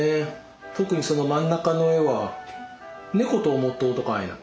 特にその真ん中の絵は猫と思っとうとかいな？